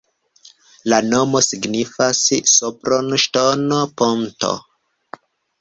La nomo signifas: Sopron-ŝtono-ponto.